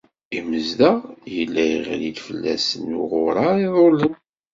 Imezdaɣ yella yeɣli-d fell-sen uɣuṛar iḍulen.